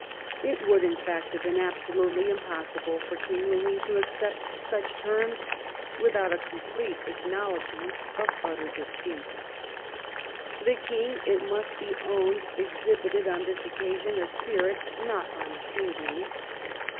It would, in fact, have been absolutely impossible for King Louis to 861 , THE REIGN OF QUEEN ANNE accept such terms without a complete acknowledgment of utter defeat. The King, it must be owned^ exhibit ed on this occasion a spirit not unkingly.